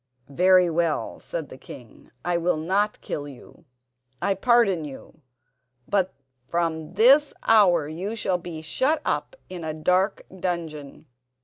"Very well," said the king, "I will not kill you. I pardon you. But from this hour you shall be shut up in a dark dungeon.